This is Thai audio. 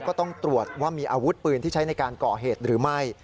ก็ต้องตรวจว่ามีอาวุธปืนที่ใช้ในการก่อเหตุหรือไม่